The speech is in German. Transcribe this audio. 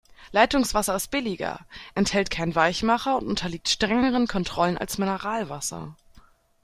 Leitungswasser ist billiger, enthält keinen Weichmacher und unterliegt strengeren Kontrollen als Mineralwasser.